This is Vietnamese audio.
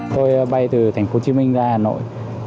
tôi bay từ thành phố hồ chí minh ra hà nội